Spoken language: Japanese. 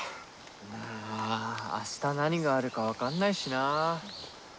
まあ明日何があるかわかんないしな。